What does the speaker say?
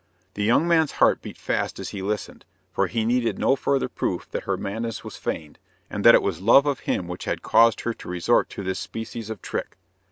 The young man's heart beat fast as he listened, for he needed no further proof that her madness was feigned, and that it was love of him which had caused her to resort to this species of trick.